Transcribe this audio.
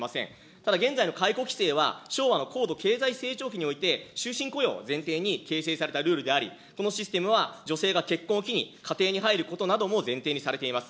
ただ現在の解雇規制は、昭和の高度経済成長期において、終身雇用を前提に形成されたルールであり、このシステムは女性が結婚を機に家庭に入ることなども前提にされています。